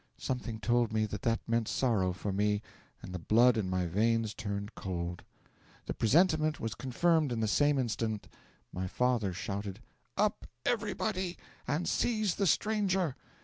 Something told me that that meant sorrow for me, and the blood in my veins turned cold. The presentiment was confirmed in the same instant: my father shouted, "Up, everybody, and seize the stranger!"